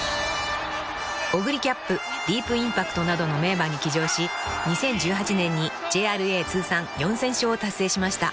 ［オグリキャップディープインパクトなどの名馬に騎乗し２０１８年にＪＲＡ通算４，０００勝を達成しました］